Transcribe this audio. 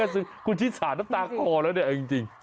แต่ไม่ใช่คุณชี่สาน้ำตากอแล้วเนี่ยอย่างจริง